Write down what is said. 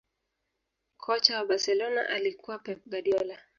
kocha wa barcelona alikuwa pep guardiola